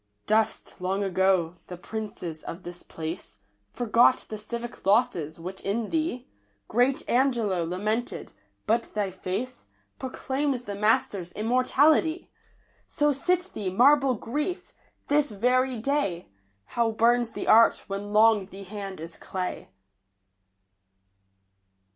Dust, long ago, the princes of this place ; Forgot the civic losses which in thee Great Angelo lamented ; but thy face Proclaims the master's immortality! So sit thee, marble Grief ! this very day How burns the art when long the hand is clay